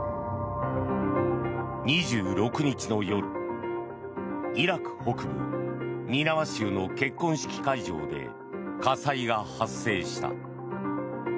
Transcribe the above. ２６日の夜イラク北部ニナワ州の結婚式会場で火災が発生した。